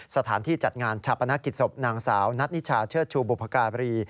สถานที่จัดงานชาปนกิจศพนางสาวนัทนิชาเชิดชูบุพการี